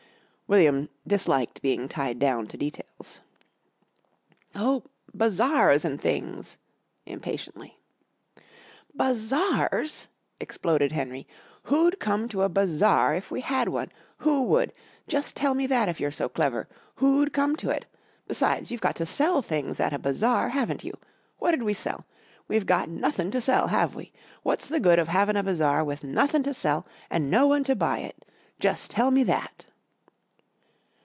William disliked being tied down to details. "Oh bazaars an' things," impatiently. "Bazaars!" exploded Henry. "Who'd come to a bazaar if we had one? Who would? Jus' tell me that if you're so clever! Who'd come to it? Besides, you've got to sell things at a bazaar, haven't you? What'd we sell? We've got nothin' to sell, have we? What's the good of havin' a bazaar with nothin' to sell and no one to buy it? Jus' tell me that!"